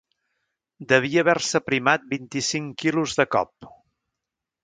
Devia haver-se aprimat vint-i-cinc quilos de cop.